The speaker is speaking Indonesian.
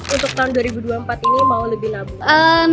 untuk tahun dua ribu dua puluh empat ini mau lebih lubang